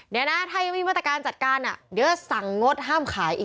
เดี๋ยวนะถ้ายังไม่มีมาตรการจัดการเดี๋ยวสั่งงดห้ามขายอีก